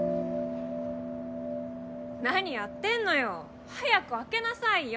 何やってんのよ早く開けなさいよ